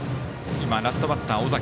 今はラストバッター、尾崎。